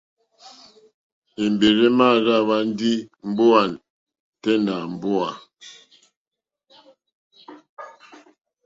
Èmbèrzà èmà dráíhwá ndí mbówà tɛ́ nà mbówà.